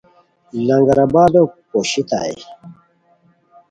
لنگر آبادو پوشیتائے